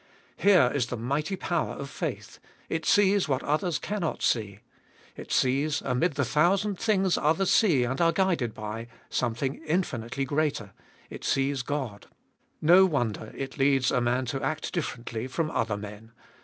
Here is the mighty power of faith ; it sees what others cannot see. It sees, amid the thousand things others see and are guided by, something infinitely greater — it sees God. No wonder it leads a man to act differently from other men.